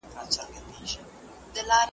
عبدالرشيد لطيفي